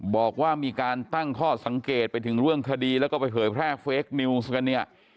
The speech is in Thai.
บอกว่ามีการตั้งข้อสังเกตไปถึงเรื่องคดีแล้วก็ไปเผยแพร่เฟคนิวส์กันเนี่ย